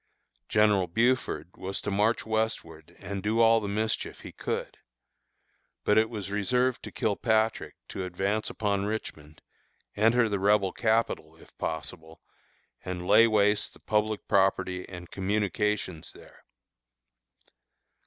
General Buford was to march westward and do all the mischief he could. But it was reserved to Kilpatrick to advance upon Richmond, enter the Rebel capital, if possible, and lay waste the public property and communications there.